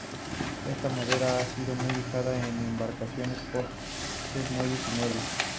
Esta madera ha sido muy usada en embarcaciones, postes, muelles y muebles.